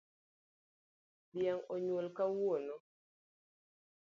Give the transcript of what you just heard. Dhiang onyuol kawuono